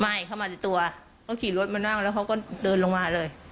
ไม่เขามาตัวขี่รถมานั่งแล้วเขาก็เดินลงมาเลย